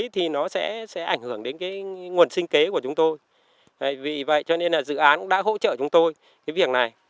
thì nó sẽ ảnh hưởng đến cái nguồn sinh kế của chúng tôi vì vậy cho nên là dự án đã hỗ trợ chúng tôi cái việc này